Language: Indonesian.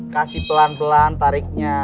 kasih pelan pelan tariknya